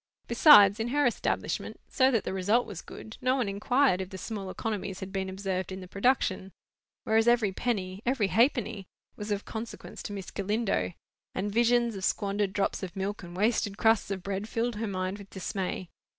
Besides, in her establishment, so that the result was good, no one inquired if the small economies had been observed in the production. Whereas every penny—every halfpenny, was of consequence to Miss Galindo; and visions of squandered drops of milk and wasted crusts of bread filled her mind with dismay.